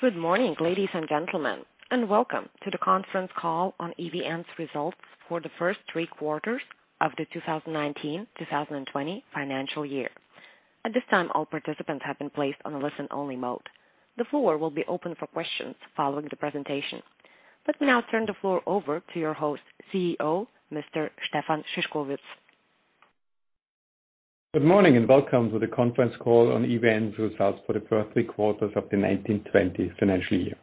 Good morning, ladies and gentlemen, and welcome to the conference call on EVN's results for the first three quarters of the 2019/2020 financial year. At this time, all participants have been placed on a listen-only mode. The floor will be open for questions following the presentation. Let me now turn the floor over to your host, CEO, Mr. Stefan Szyszkowitz. Good morning, and welcome to the conference call on EVN's results for the first three quarters of the 2019/2020 financial year.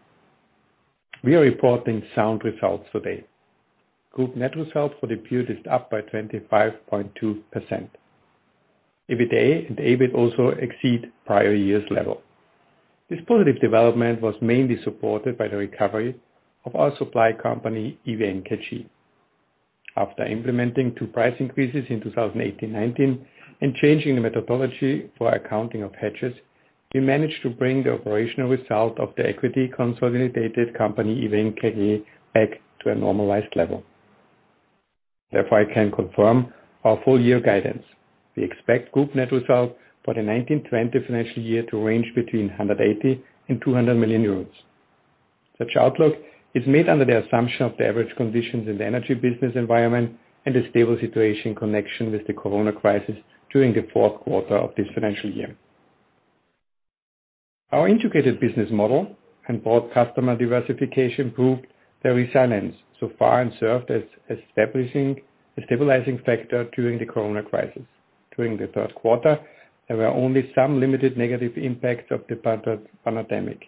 We are reporting sound results today. Group net results for the period is up by 25.2%. EBITDA and EBIT also exceed prior year's level. This positive development was mainly supported by the recovery of our supply company, EVN KG. After implementing two price increases in 2018/2019 and changing the methodology for accounting of hedges, we managed to bring the operational result of the equity consolidated company, EVN KG, back to a normalized level. Therefore, I can confirm our full-year guidance. We expect group net results for the 2019/2020 financial year to range between 180 million and 200 million euros. Such outlook is made under the assumption of the average conditions in the energy business environment and a stable situation connection with the COVID-19 crisis during the fourth quarter of this financial year. Our integrated business model and broad customer diversification proved their resilience so far and served as a stabilizing factor during the COVID-19 crisis. During the third quarter, there were only some limited negative impacts of the pandemic.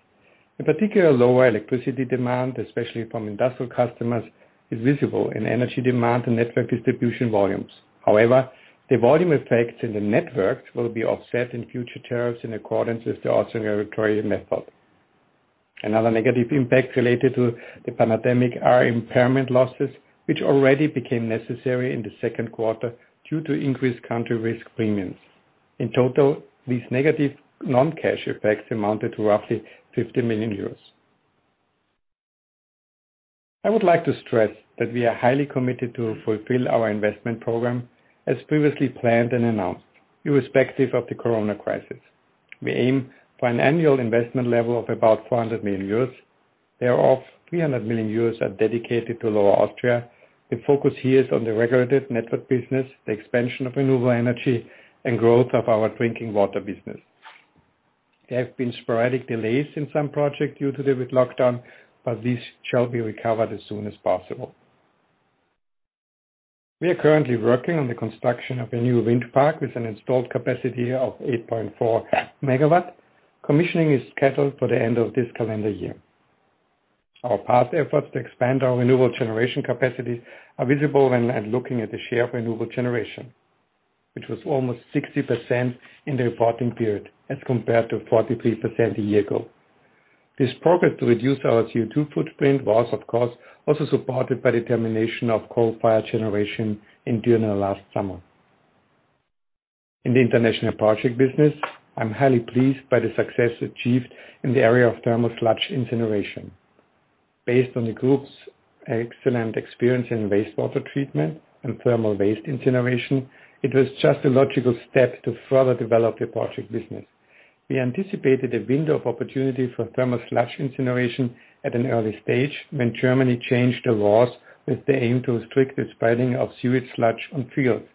In particular, lower electricity demand, especially from industrial customers, is visible in energy demand and network distribution volumes. However, the volume effects in the networks will be offset in future tariffs in accordance with the regulatory method. Another negative impact related to the pandemic are impairment losses, which already became necessary in the second quarter due to increased country risk premiums. In total, these negative non-cash effects amounted to roughly 50 million euros. I would like to stress that we are highly committed to fulfill our investment program as previously planned and announced, irrespective of the COVID crisis. We aim for an annual investment level of about 400 million euros. Thereof, 300 million euros are dedicated to Lower Austria. The focus here is on the regulated network business, the expansion of renewable energy, and growth of our drinking water business. There have been sporadic delays in some projects due to the COVID lockdown, but these shall be recovered as soon as possible. We are currently working on the construction of a new wind park with an installed capacity of 8.4 MW. Commissioning is scheduled for the end of this calendar year. Our past efforts to expand our renewable generation capacity are visible when looking at the share of renewable generation, which was almost 60% in the reporting period as compared to 43% a year ago. This progress to reduce our CO2 footprint was, of course, also supported by the termination of coal-fired generation in Dürnrohr last summer. In the international project business, I'm highly pleased by the success achieved in the area of thermal sludge incineration. Based on the group's excellent experience in wastewater treatment and thermal waste incineration, it was just a logical step to further develop the project business. We anticipated a window of opportunity for thermal sludge incineration at an early stage when Germany changed the laws with the aim to restrict the spreading of sewage sludge on fields,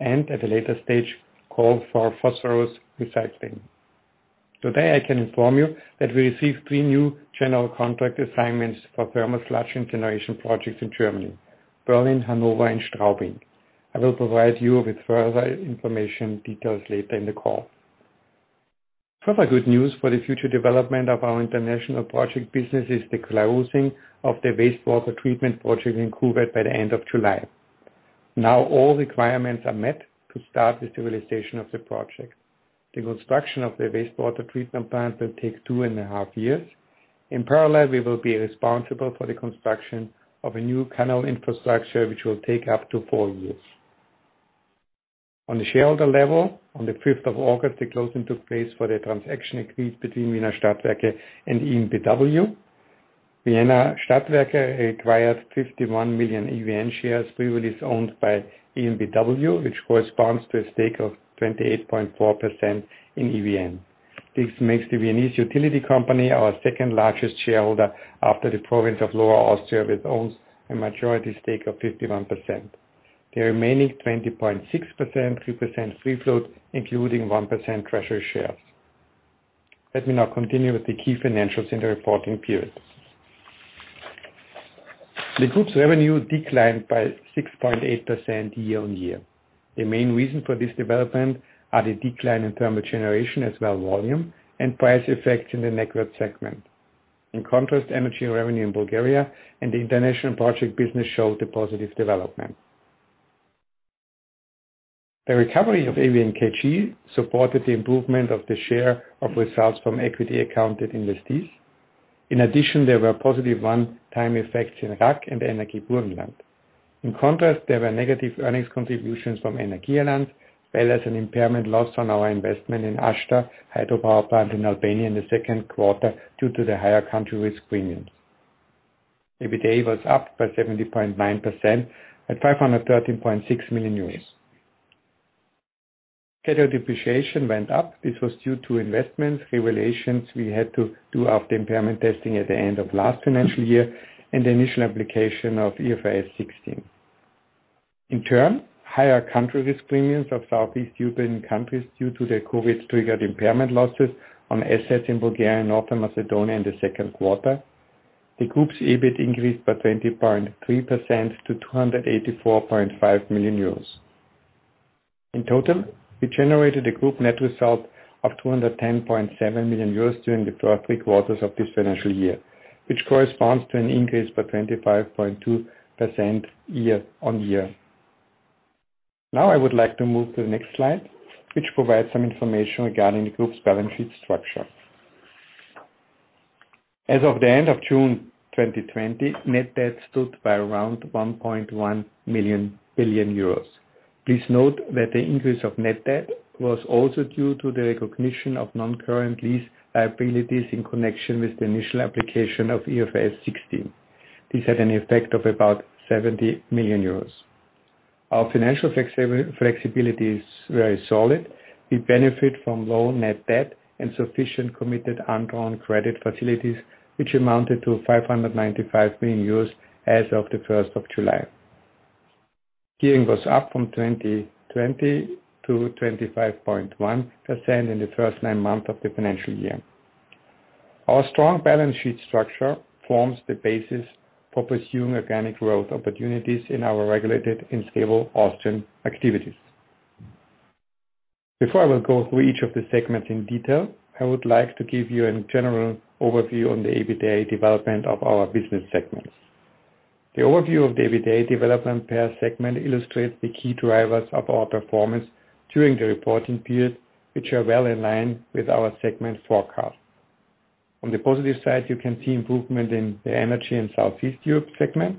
and at a later stage, called for phosphorus recycling. Today, I can inform you that we received three new general contract assignments for thermal sludge incineration projects in Germany: Berlin, Hanover, and Straubing. I will provide you with further information details later in the call. Further good news for the future development of our international project business is the closing of the wastewater treatment project in Kuwait by the end of July. Now all requirements are met to start the stabilization of the project. The construction of the wastewater treatment plant will take two and a half years. In parallel, we will be responsible for the construction of a new canal infrastructure, which will take up to four years. On the shareholder level, on the 5th of August, the closing took place for the transaction agreed between Wiener Stadtwerke and EnBW. Wiener Stadtwerke acquired 51 million EVN shares previously owned by EnBW, which corresponds to a stake of 28.4% in EVN. This makes the Viennese utility company our second-largest shareholder after the province of Lower Austria, which owns a majority stake of 51%. The remaining 20.6%, 2% free float, including 1% treasury shares. Let me now continue with the key financials in the reporting period. The group's revenue declined by 6.8% year-on-year. The main reason for this development are the decline in thermal generation as well volume and price effects in the network segment. In contrast, energy revenue in Bulgaria and the international project business showed a positive development. The recovery of EVN KG supported the improvement of the share of results from equity accounted investees. In addition, there were positive one-time effects in RAG and Energie Burgenland. In contrast, there were negative earnings contributions from EnergieAllianz, as well as an impairment loss on our investment in Ashta hydropower plant in Albania in the second quarter due to the higher country risk premiums. EBITDA was up by 70.9% at 513.6 million. Scheduled depreciation went up. This was due to investments, revaluations we had to do after impairment testing at the end of last financial year, and the initial application of IFRS 16. In turn, higher country risk premiums of Southeast European countries due to their COVID-triggered impairment losses on assets in Bulgaria and North Macedonia in the second quarter. The group's EBIT increased by 20.3% to 284.5 million euros. In total, we generated a group net result of 210.7 million euros during the first three quarters of this financial year, which corresponds to an increase by 25.2% year-over-year. Now I would like to move to the next slide, which provides some information regarding the group's balance sheet structure. As of the end of June 2020, net debt stood by around 1.1 billion euros. Please note that the increase of net debt was also due to the recognition of non-current lease liabilities in connection with the initial application of IFRS 16. This had an effect of about 70 million euros. Our financial flexibility is very solid. We benefit from low net debt and sufficient committed undrawn credit facilities, which amounted to 595 million euros as of the 1st of July. Gearing was up from 2020 to 25.1% in the first nine months of the financial year. Our strong balance sheet structure forms the basis for pursuing organic growth opportunities in our regulated and stable Austrian activities. Before I will go through each of the segments in detail, I would like to give you a general overview on the EBITDA development of our business segments. The overview of the EBITDA development per segment illustrates the key drivers of our performance during the reporting period, which are well in line with our segment forecast. On the positive side, you can see improvement in the energy and Southeast Europe segment.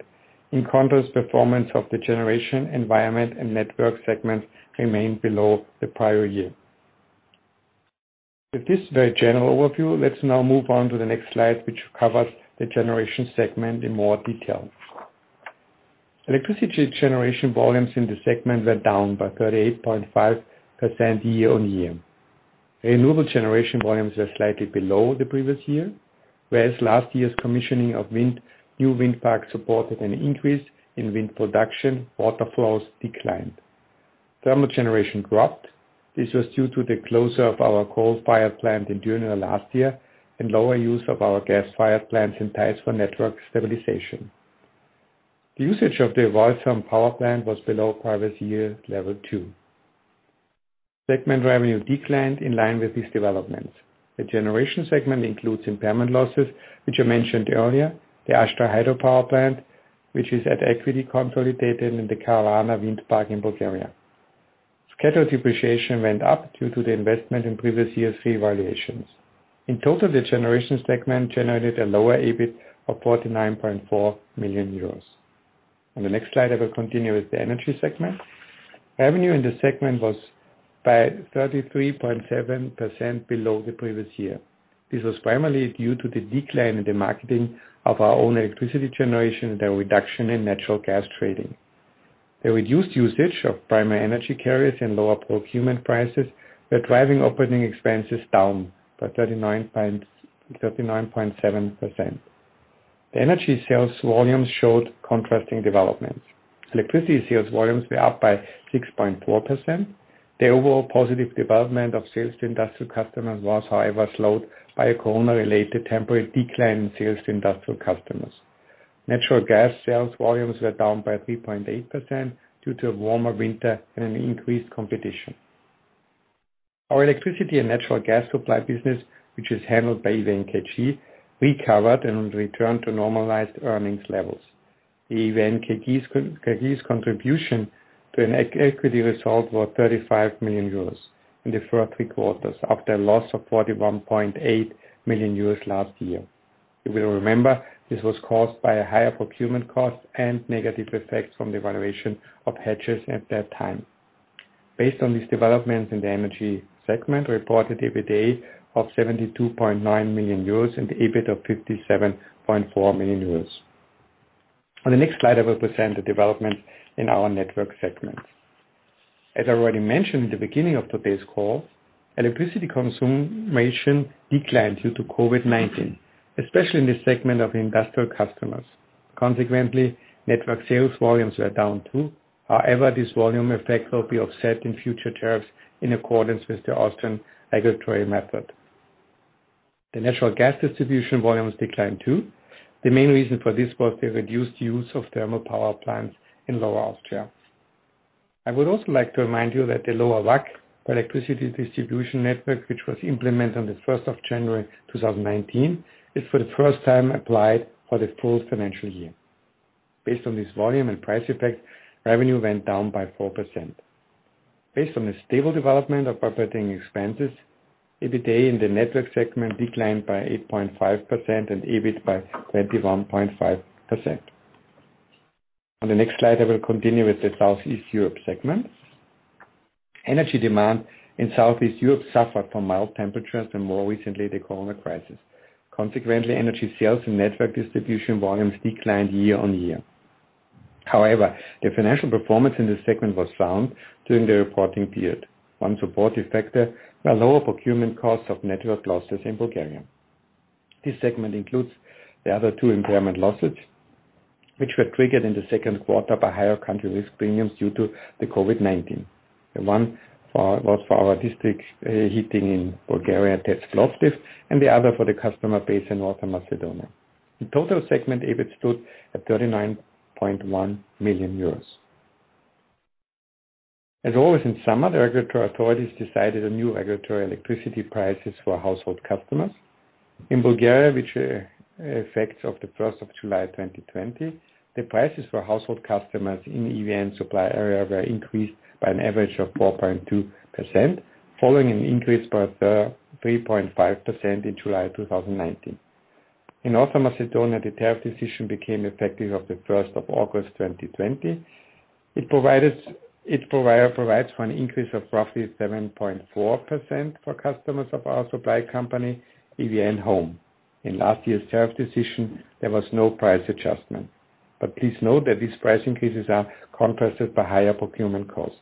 In contrast, performance of the generation environment and network segment remained below the prior year. With this very general overview, let's now move on to the next slide, which covers the generation segment in more detail. Electricity generation volumes in the segment were down by 38.5% year-on-year. Renewable generation volumes were slightly below the previous year, whereas last year's commissioning of new wind parks supported an increase in wind production. Water flows declined. Thermal generation dropped. This was due to the closure of our coal-fired plant during the last year and lower use of our gas-fired plants in ties for network stabilization. The usage of the Walsum power plant was below previous year level too. Segment revenue declined in line with these developments. The generation segment includes impairment losses, which I mentioned earlier. The Ashta hydropower plant, which is at equity consolidated in the Kavarna wind park in Bulgaria. Scheduled depreciation went up due to the investment in previous year's revaluations. In total, the generation segment generated a lower EBIT of 49.4 million euros. On the next slide, I will continue with the energy segment. Revenue in the segment was by 33.7% below the previous year. This was primarily due to the decline in the marketing of our own electricity generation and a reduction in natural gas trading. The reduced usage of primary energy carriers and lower procurement prices were driving operating expenses down by 39.7%. The energy sales volumes showed contrasting developments. Electricity sales volumes were up by 6.4%. The overall positive development of sales to industrial customers was, however, slowed by a COVID-19-related temporary decline in sales to industrial customers. Natural gas sales volumes were down by 3.8% due to a warmer winter and an increased competition. Our electricity and natural gas supply business, which is handled by EVN KG, recovered and returned to normalized earnings levels. EVN KG's contribution to an equity result was 35 million euros in the first three quarters, after a loss of 41.8 million euros last year. You will remember this was caused by a higher procurement cost and negative effects from the valuation of hedges at that time. Based on these developments in the energy segment, we reported EBITDA of 72.9 million euros and the EBIT of 57.4 million euros. On the next slide, I will present the development in our network segment. As I already mentioned at the beginning of today's call, electricity consumption declined due to COVID-19, especially in the segment of industrial customers. Network sales volumes were down, too. This volume effect will be offset in future tariffs in accordance with the Austrian regulatory method. The natural gas distribution volumes declined, too. The main reason for this was the reduced use of thermal power plants in Lower Austria. I would also like to remind you that the lower WACC for electricity distribution network, which was implemented on the 1st of January 2019, is for the first time applied for the full financial year. Based on this volume and price effect, revenue went down by 4%. Based on the stable development of operating expenses, EBITDA in the network segment declined by 8.5% and EBIT by 21.5%. On the next slide, I will continue with the Southeast Europe segment. Energy demand in Southeast Europe suffered from mild temperatures and more recently, the COVID-19. Consequently, energy sales and network distribution volumes declined year-on-year. The financial performance in this segment was found during the reporting period. One supportive factor, a lower procurement cost of network losses in Bulgaria. This segment includes the other two impairment losses, which were triggered in the second quarter by higher country risk premiums due to the COVID-19. One was for our district heating in Bulgaria, EVN Bulgaria Toplofikatsia, and the other for the customer base in North Macedonia. The total segment EBIT stood at 39.1 million euros. As always, in summer, the regulatory authorities decided on new regulatory electricity prices for household customers. In Bulgaria, effective the 1st of July 2020, the prices for household customers in EVN supply area were increased by an average of 4.2%, following an increase by 3.5% in July 2019. In North Macedonia, the tariff decision became effective of the 1st of August 2020. It provides for an increase of roughly 7.4% for customers of our supply company, EVN Home. In last year's tariff decision, there was no price adjustment. Please note that these price increases are contrasted by higher procurement costs.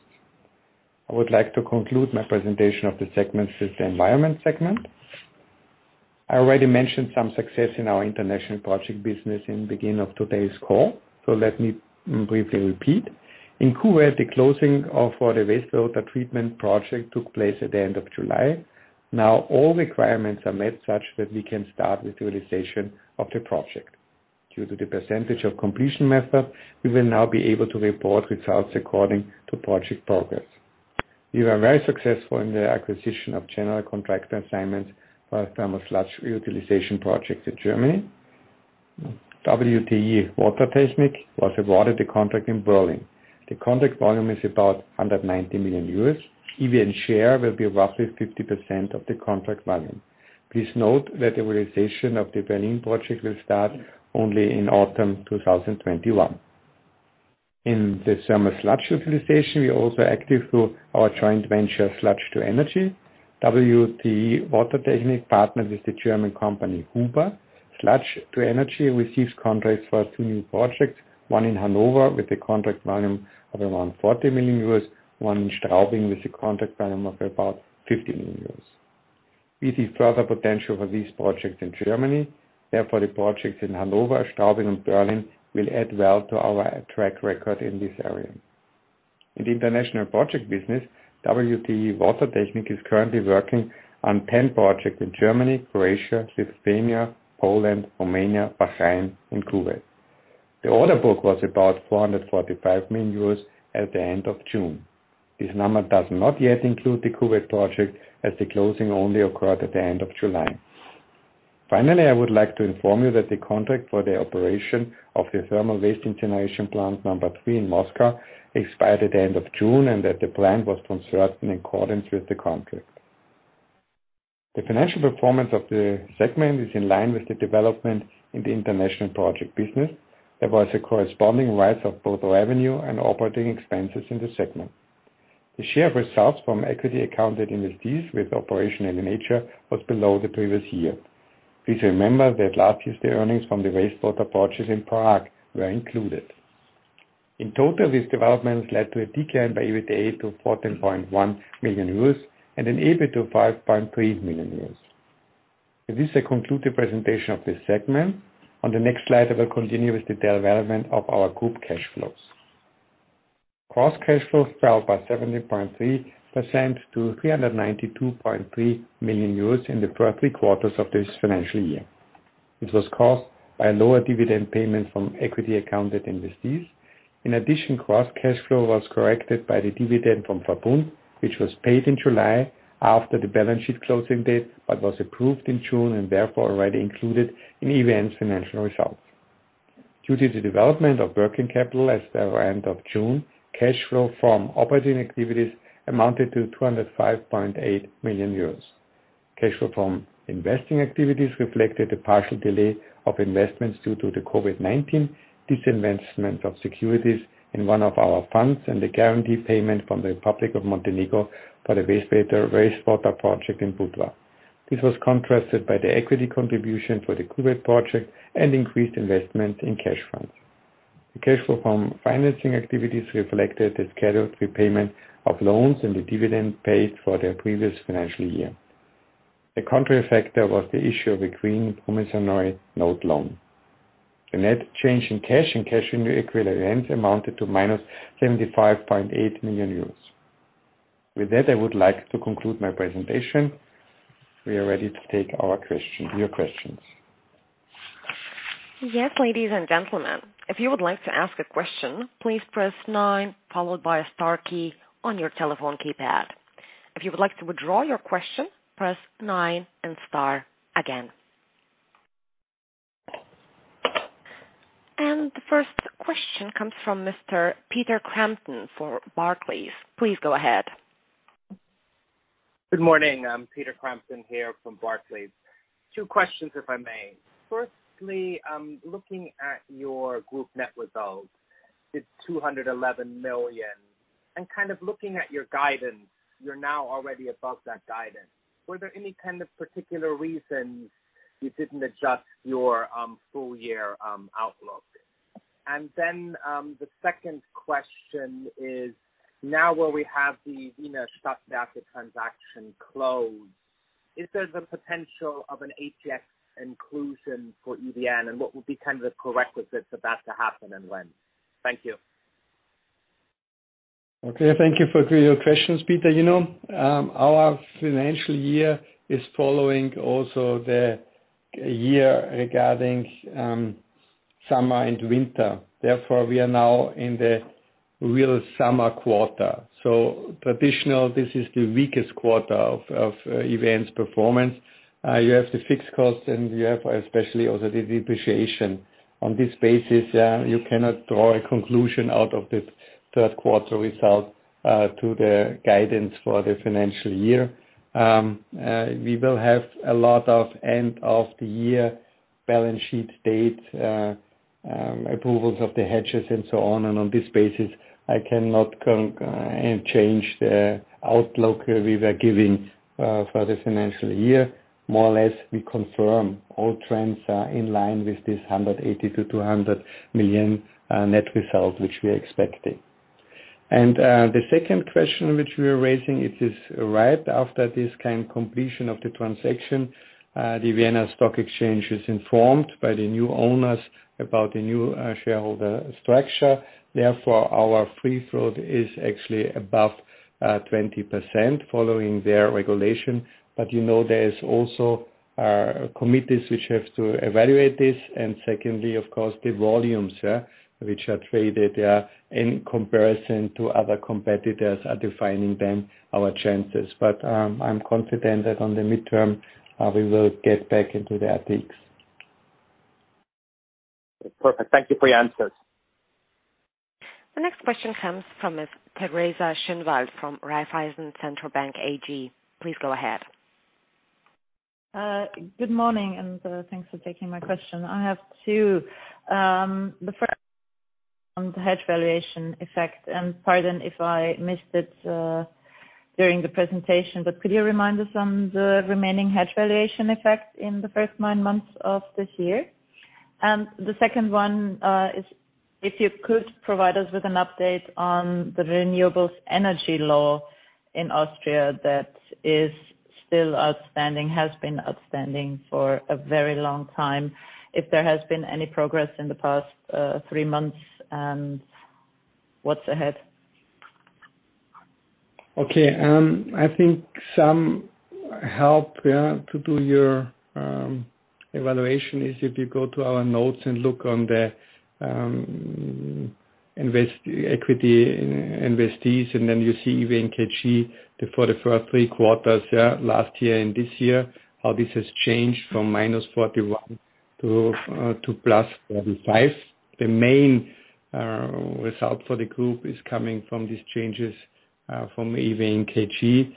I would like to conclude my presentation of the segment with the environment segment. I already mentioned some success in our international project business in the beginning of today's call. Let me briefly repeat. In Kuwait, the closing of our wastewater treatment project took place at the end of July. Now all requirements are met such that we can start with utilization of the project. Due to the percentage of completion method, we will now be able to report results according to project progress. We were very successful in the acquisition of general contractor assignments for thermal sludge utilization projects in Germany. WTE Wassertechnik was awarded the contract in Berlin. The contract volume is about 190 million euros. EVN share will be roughly 50% of the contract volume. Please note that the realization of the Berlin project will start only in autumn 2021. In the thermal sludge utilization, we are also active through our joint venture, Sludge to Energy. WTE Wassertechnik partnered with the German company, HUBER. Sludge to Energy received contracts for two new projects, one in Hanover with a contract volume of around 40 million euros, one in Straubing with a contract volume of about 15 million euros. We see further potential for these projects in Germany. Therefore, the projects in Hanover, Straubing, and Berlin will add well to our track record in this area. In the international project business, WTE Wassertechnik is currently working on 10 projects in Germany, Croatia, Lithuania, Poland, Romania, Bahrain, and Kuwait. The order book was about 445 million euros at the end of June. This number does not yet include the Kuwait project, as the closing only occurred at the end of July. Finally, I would like to inform you that the contract for the operation of the thermal waste incineration plant number three in Moscow expired at the end of June, and that the plant was constructed in accordance with the contract. The financial performance of the segment is in line with the development in the international project business. There was a corresponding rise of both revenue and operating expenses in the segment. The share of results from equity accounted investees with operation in the nature was below the previous year. Please remember that last year's earnings from the wastewater purchase in Prague were included. In total, these developments led to a decline by EBITDA to 14.1 million euros and an EBIT of 5.3 million euros. With this, I conclude the presentation of this segment. On the next slide, I will continue with the development of our group cash flows. Gross cash flows fell by 70.3% to 392.3 million euros in the first three quarters of this financial year, which was caused by a lower dividend payment from equity accounted investees. In addition, gross cash flow was corrected by the dividend from Verbund, which was paid in July after the balance sheet closing date, but was approved in June and therefore already included in EVN's financial results. Due to the development of working capital as at the end of June, cash flow from operating activities amounted to 205.8 million euros. Cash flow from investing activities reflected a partial delay of investments due to the COVID-19, disinvestment of securities in one of our funds, and the guarantee payment from the Republic of Montenegro for the wastewater project in Budva. This was contrasted by the equity contribution for the Kuwait project and increased investment in cash funds. The cash flow from financing activities reflected the scheduled repayment of loans and the dividend paid for the previous financial year. The contrary factor was the issue of a green promissory note loan. The net change in cash and cash equivalents amounted to -75.8 million euros. With that, I would like to conclude my presentation. We are ready to take your questions. Yes, ladies and gentlemen. If you would like to ask a question, please press nine followed by a star key on your telephone keypad. If you would like to withdraw your question, press nine and star again. The first question comes from Mr. Peter Crampton for Barclays. Please go ahead. Good morning. I'm Peter Crampton here from Barclays. Two questions, if I may. Firstly, looking at your group net results, the 211 million. Looking at your guidance, you're now already above that guidance. Were there any particular reasons you didn't adjust your full year outlook? The second question is, now where we have the Vienna Stock Exchange transaction closed, is there the potential of an ATX inclusion for EVN, and what would be the prerequisites for that to happen and when? Thank you. Okay, thank you for your questions, Peter. Our financial year is following also the year regarding summer into winter. We are now in the real summer quarter. Traditional, this is the weakest quarter of EVN's performance. You have the fixed cost and you have especially also the depreciation. On this basis, you cannot draw a conclusion out of the third quarter result to the guidance for the financial year. We will have a lot of end of the year balance sheet date approvals of the hedges and so on. On this basis, I cannot change the outlook we were giving for the financial year. More or less, we confirm all trends are in line with this 180 million-200 million net result, which we are expecting. The second question, which we are raising, it is right after this kind completion of the transaction, the Vienna Stock Exchange is informed by the new owners about the new shareholder structure. Our free float is actually above 20% following their regulation. There's also committees which have to evaluate this. Secondly, of course, the volumes, which are traded in comparison to other competitors are defining then our chances. I'm confident that on the midterm, we will get back into the ATX. Perfect. Thank you for your answers. The next question comes from Ms. Teresa Schinwald from Raiffeisen Centrobank AG. Please go ahead. Good morning, thanks for taking my question. I have two. The first on the hedge valuation effect, and pardon if I missed it during the presentation, but could you remind us on the remaining hedge valuation effect in the first nine months of this year? The second one is if you could provide us with an update on the renewables energy law in Austria that is still outstanding, has been outstanding for a very long time. If there has been any progress in the past three months, and what's ahead? Okay. I think some help to do your evaluation is if you go to our notes and look on the equity investees, then you see EVN KG for the first three quarters last year and this year, how this has changed from -41 to +45. The main result for the group is coming from these changes from EVN KG.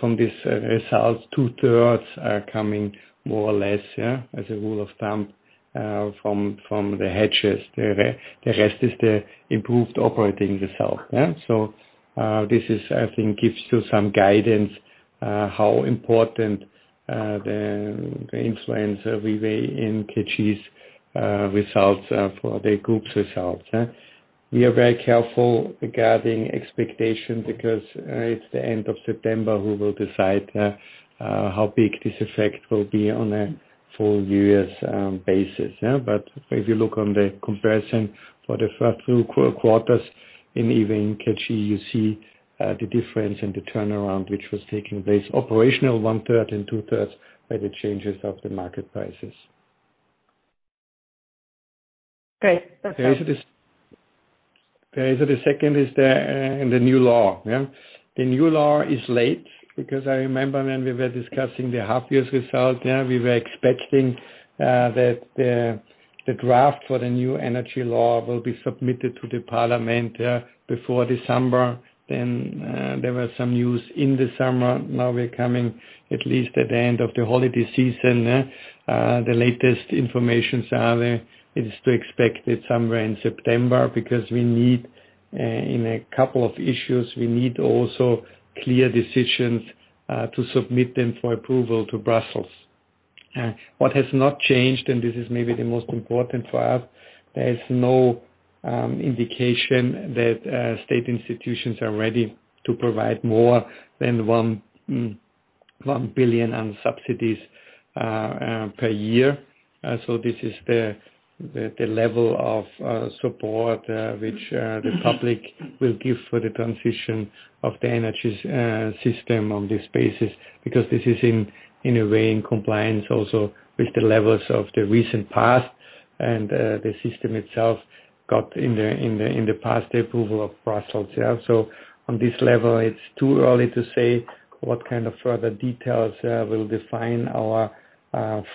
From this result, 2/3 are coming more or less, as a rule of thumb, from the hedges. The rest is the improved operating result. This, I think, gives you some guidance, how important the influence EVN KG's results for the group's results. We are very careful regarding expectation because it's the end of September who will decide how big this effect will be on a full year's basis. If you look on the comparison for the first two quarters in EVN KG, you see the difference in the turnaround, which was taking place operational 1/3 and 2/3 by the changes of the market prices. Great. That's all. The second is the new law. The new law is late because I remember when we were discussing the half-year's result, we were expecting that the draft for the new energy law will be submitted to the parliament before December, then there was some news in December. Now we're coming at least at the end of the holiday season. The latest information is to expect it somewhere in September because in a couple of issues, we need also clear decisions to submit them for approval to Brussels. What has not changed, and this is maybe the most important for us, there is no indication that state institutions are ready to provide more than 1 billion on subsidies per year. This is the level of support which the public will give for the transition of the energy system on this basis, because this is in a way in compliance also with the levels of the recent past and the system itself got, in the past, the approval of Brussels. On this level, it's too early to say what kind of further details will define our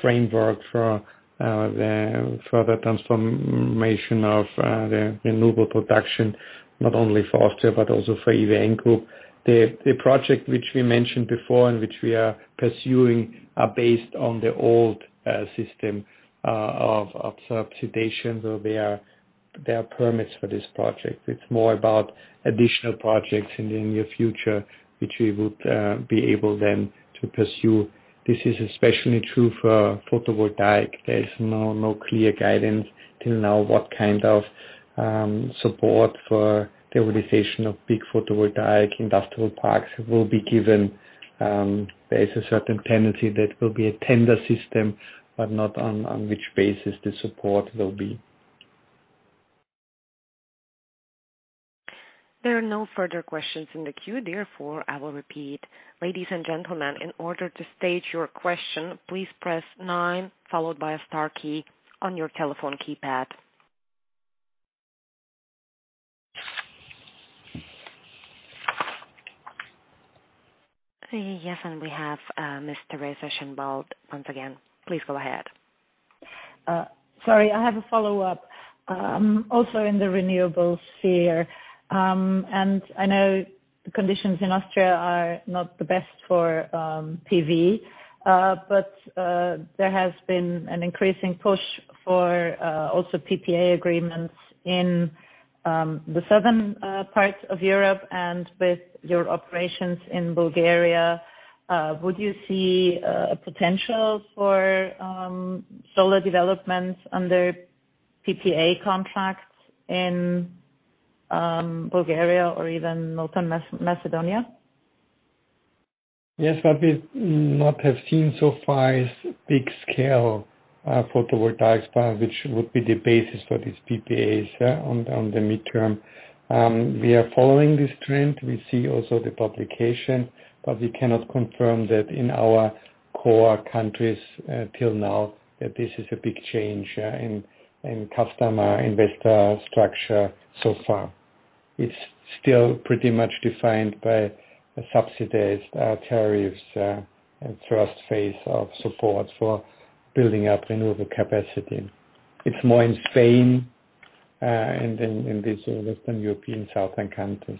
framework for the further transformation of the renewable production, not only for Austria, but also for EVN Group. The project which we mentioned before and which we are pursuing are based on the old system of subsidization. There are permits for this project. It's more about additional projects in the near future, which we would be able then to pursue. This is especially true for photovoltaic. There is no clear guidance till now what kind of support for the organization of big photovoltaic industrial parks will be given. There is a certain tendency that will be a tender system, but not on which basis the support will be. There are no further questions in the queue. Therefore, I will repeat. Ladies and gentlemen, in order to state your question, please press nine followed by a star key on your telephone keypad. Yes, and we have Ms. Teresa Schinwald once again. Please go ahead. Sorry, I have a follow-up. Also in the renewables sphere, and I know the conditions in Austria are not the best for PV, but there has been an increasing push for also PPA agreements in the southern parts of Europe and with your operations in Bulgaria. Would you see a potential for solar developments under PPA contracts in Bulgaria or even North Macedonia? Yes, we have not seen so far big scale photovoltaic, which would be the basis for these PPAs on the midterm. We are following this trend. We see also the publication, we cannot confirm that in our core countries till now, that this is a big change in customer investor structure so far. It's still pretty much defined by subsidized tariffs and first phase of support for building up renewable capacity. It's more in Spain and in these Western European southern countries.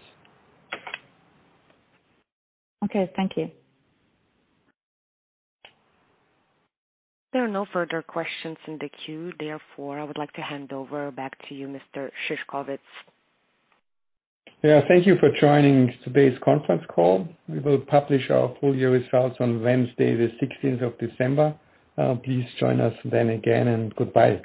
Okay. Thank you. There are no further questions in the queue. I would like to hand over back to you, Mr. Szyszkowitz. Yeah. Thank you for joining today's conference call. We will publish our full year results on Wednesday the 16th of December. Please join us then again, and goodbye.